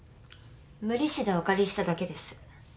無利子でお借りしただけです。